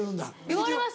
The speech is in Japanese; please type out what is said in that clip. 言われます。